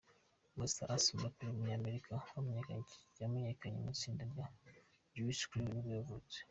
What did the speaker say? Masta Ace, umuraperi w’umunyamerika wamenyekanye mu itsinda rya Juice Crew nibwo yavutse.